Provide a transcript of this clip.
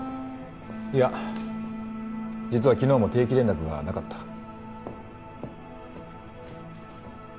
いや実は昨日も定期連絡がなかった。